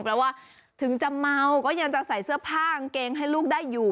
แปลว่าถึงจะเมาก็ยังจะใส่เสื้อผ้ากางเกงให้ลูกได้อยู่